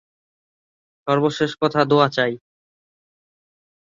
সেখানে তিনি ফুটবল খেলতেন এবং ছাত্র সভার সহ-সভাপতি ছিলেন।